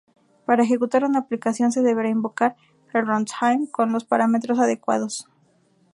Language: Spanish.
Para ejecutar una aplicación se deberá invocar el "runtime" con los parámetros adecuados.